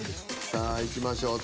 さあいきましょう。